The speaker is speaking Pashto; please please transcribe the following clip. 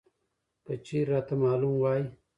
که چېرې راته معلوم وى!